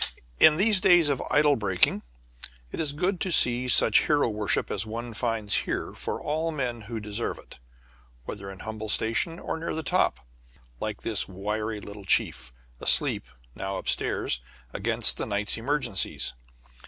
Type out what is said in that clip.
In these days of idol breaking it is good to see such hero worship as one finds here for all men who deserve it, whether in humble station or near the top, like this wiry little chief, asleep now up stairs against the night's emergencies.